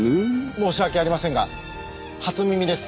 申し訳ありませんが初耳です。